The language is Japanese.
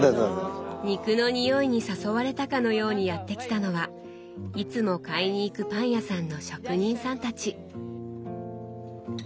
肉の匂いに誘われたかのようにやって来たのはいつも買いに行くパン屋さんの職人さんたち。